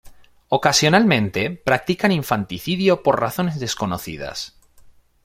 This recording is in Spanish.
Ocasionalmente, practican infanticidio por razones desconocidas.